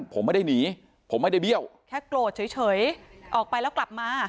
ผมไม่ได้หนีผมไม่ได้เบี้ยวแค่โกรธเฉยออกไปแล้วกลับมา